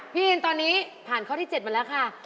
อินตอนนี้ผ่านข้อที่๗มาแล้วค่ะ